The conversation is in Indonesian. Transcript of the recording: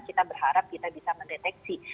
kita berharap kita bisa mendeteksi